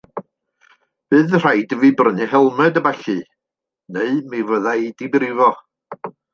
Bydd rhaid i fi brynu helmed a ballu neu mi fydda i 'di brifo.